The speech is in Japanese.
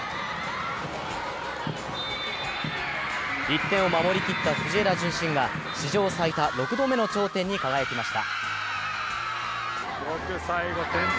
１点を守り切った藤枝順心が史上最多６度目の頂点に輝きました